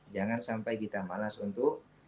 jangan sampai kita malas untuk